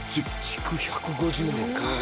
築１５０年かあ。